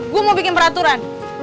gue mau bikin peraturan